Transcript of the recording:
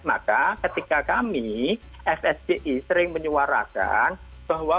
maka ketika kami fsgi sering menyuarakan bahwa